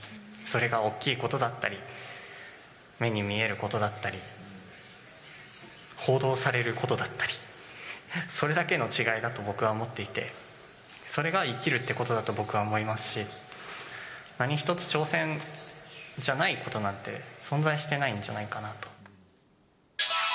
それが大きいことだったり、目に見えることだったり、報道されることだったり、それだけの違いだと僕は思っていて、それが生きるってことだと僕は思いますし、何一つ挑戦じゃないことなんて、存在してないんじゃないかなと。